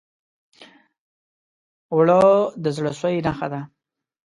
اوړه د زړه سوي نښه ده